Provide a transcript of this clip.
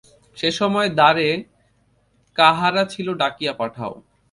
সে সময়ে দ্বারে কাহারা ছিল ডাকিয়া পাঠাও।